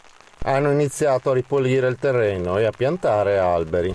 Hanno iniziato a ripulire il terreno e a piantare alberi.